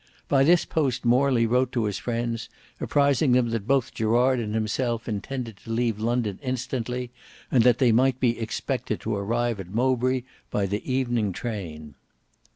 By this post Morley wrote to his friends, apprising them that both Gerard and himself intended to leave London instantly, and that they might be expected to arrive at Mowbray by the evening train.